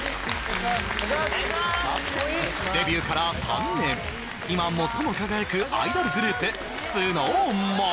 デビューから３年今最も輝くアイドルグループＳｎｏｗＭａｎ